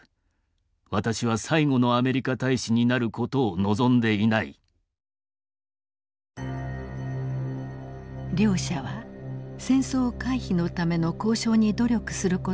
私は最後のアメリカ大使になる事を望んでいない。両者は戦争回避のための交渉に努力する事を約束。